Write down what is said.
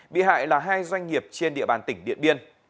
bị hại là hai doanh nghiệp trên địa bàn tỉnh điện biên